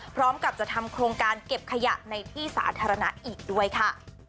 พร้อมกับจะทำโครงการเก็บขยะในที่สาธารณะอีกด้วยค่ะ